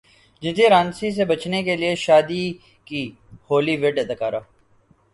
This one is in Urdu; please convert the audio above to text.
جنسی ہراسانی سے بچنے کیلئے شادی کی ہولی وڈ اداکارہ